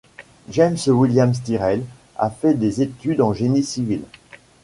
James Williams Tyrrel a fait des études en génie civil.